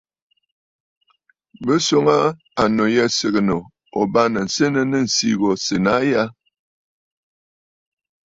Bɨ swoŋə aa annu yî sɨgɨ̀ǹə̀ ò bâŋnə̀ senə nɨ̂ ǹsî sènə̀ aa a ya?